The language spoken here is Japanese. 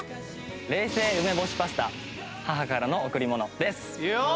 冷製梅干しパスタ母からの贈り物です。